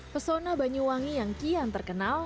pesona banyuwangi yang kian terkenal